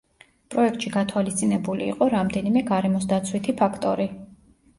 პროექტში გათვალისწინებული იყო რამდენიმე გარემოსდაცვითი ფაქტორი.